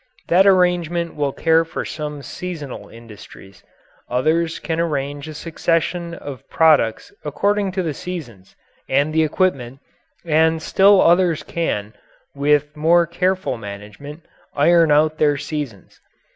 That arrangement will care for some seasonal industries; others can arrange a succession of products according to the seasons and the equipment, and still others can, with more careful management, iron out their seasons.